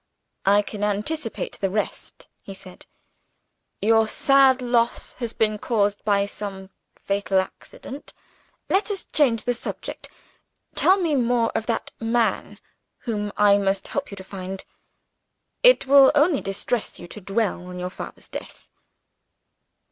"I can anticipate the rest," he said. "Your sad loss has been caused by some fatal accident. Let us change the subject; tell me more of that man whom I must help you to find. It will only distress you to dwell on your father's death."